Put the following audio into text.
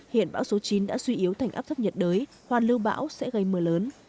hiện bão số chín đã suy yếu thành áp thấp nhiệt đới hoàn lưu bão sẽ gây mưa lớn